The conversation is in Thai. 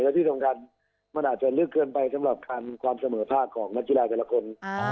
และที่สำคัญมันอาจจะลึกเกินไปสำหรับความเสมอภาคของนักกีฬาแต่ละคน